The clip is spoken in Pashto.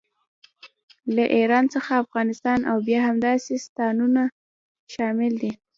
له ایران څخه افغانستان او بیا همداسې ستانونه شامل دي.